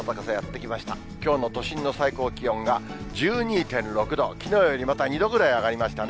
きょうの都心の最高気温が１２．６度、きのうよりまた２度ぐらい上がりましたね。